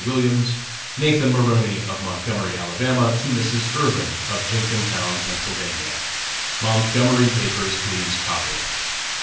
Williams, Nathan Maroney, of Montgomery, Ala., to Mrs. Irvin, of Jenkintown, Penn. "Montgomery papers please copy."